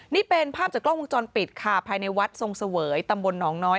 นี่เป็นภาพจากกล้องวงจรปิดค่ะภายในวัดทรงเสวยตำบลหนองน้อย